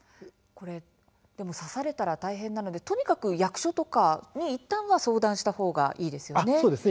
でも刺されたら大変なので役所とかに、いったんは相談したほうがいいですね。